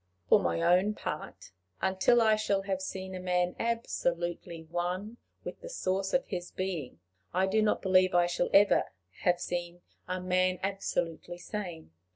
For my own part, until I shall have seen a man absolutely one with the source of his being, I do not believe I shall ever have seen a man absolutely sane.